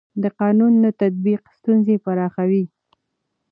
د قانون نه تطبیق ستونزې پراخوي